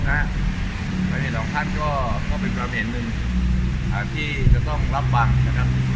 ความเห็นของท่านก็เป็นกรมเหตุหนึ่งที่จะต้องรับบังนะครับ